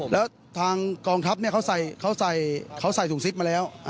แล้วทางกองทัพเนี่ยเขาใส่สุ่งซิกมาแล้ว